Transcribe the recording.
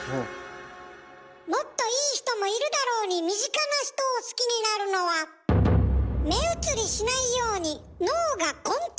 もっといい人もいるだろうに身近な人を好きになるのは目移りしないように脳がコントロールしているから。